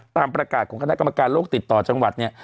ตามประกาศของคณะกรรมการโลกติดต่อจังหวัดเนี่ย